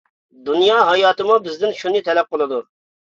دۇنيا ھاياتىمۇ بىزدىن شۇنى تەلەپ قىلىدۇ.